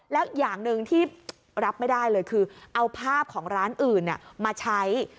แล้วอย่างหนึ่งที่รับไม่ได้เลยคือเอาภาพของร้านอื่นมาใช้